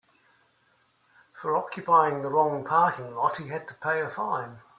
For occupying the wrong parking lot he had to pay a fine.